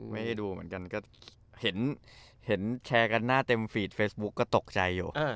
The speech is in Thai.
ไม่ได้ดูเหมือนกันก็เห็นแชร์กันหน้าเต็มฟีดเฟซบุ๊กก็ตกใจอยู่